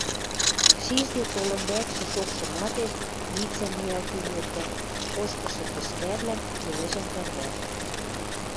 Шижде толын лӓкшӹ шокшы мардеж лицӓм ниӓлтен эртӓ, кошкышы тӹшкӓвлӓм йӹвӹжӓн тӓрвӓтӓ.